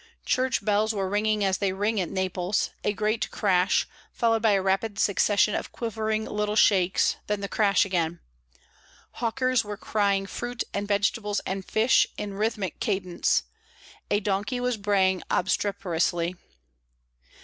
Church bells were ringing as they ring at Naples a great crash, followed by a rapid succession of quivering little shakes, then the crash again. Hawkers were crying fruit and vegetables and fish in rhythmic cadence; a donkey was braying obstreperously.